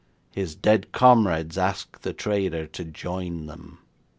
His dead comrades ask the traitor to join them.'